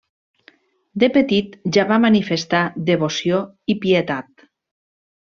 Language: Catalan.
De petit ja va manifestar devoció i pietat.